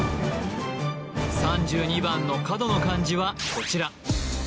３２番の角の漢字はこちら